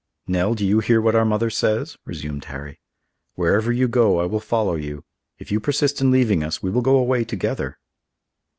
"Nell, do you hear what our mother says?" resumed Harry. "Wherever you go I will follow you. If you persist in leaving us, we will go away together."